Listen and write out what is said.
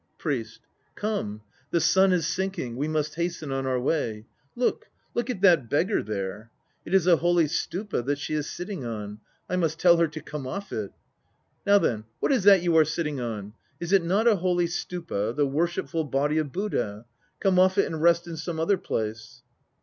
PRIEST. Come! The sun is sinking; we must hasten on our way. Look, look at that beggar there! It is a holy Stupa that she is sitting on! I must tell her to come off it. Now then, what is that you are sitting on? Is it not a holy Stupa, the worshipful Body of Buddha? Come off it and rest in some other place.